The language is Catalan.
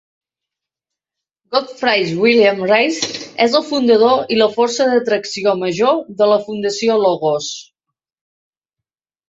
Godfried-Willem Raes és el fundador i la força de tracció major de la fundació Logos.